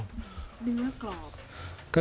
มีเนื้อกล่อบ